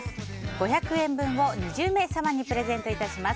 ５００円分を２０名様にプレゼントいたします。